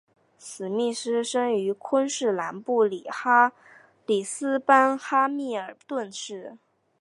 史密斯生于昆士兰布里斯班哈密尔顿市。